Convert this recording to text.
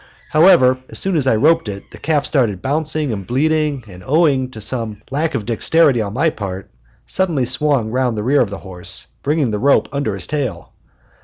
However, as soon as I roped it, the calf started bouncing and bleating, and, owing to some lack of dexterity on my part, suddenly swung round the rear of the horse, bringing the rope under his tail.